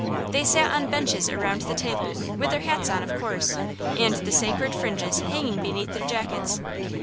They sat on benches around the table, with their hats on, of course, and the sacred fringes hanging beneath their jackets.